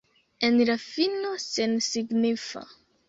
En la fino, sensignifa.